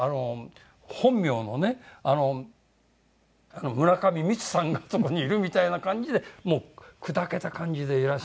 本名のねあの村上美津さんがそこにいるみたいな感じでもう砕けた感じでいらっしゃって。